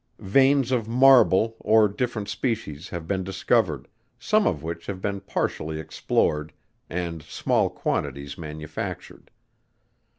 Veins of Marble, of different species, have been discovered, some of which have been partially explored, and small quantities manufactured.